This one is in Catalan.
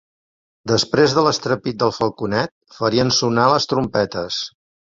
Després de l'estrèpit del falconet, farien sonar les trompetes.